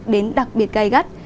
đến đặc biệt gai gắt